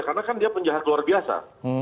karena kan dia penjahat luar biasa